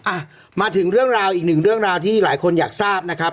อ่ะมาถึงเรื่องราวอีกหนึ่งเรื่องราวที่หลายคนอยากทราบนะครับ